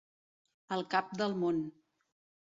Al cap del món.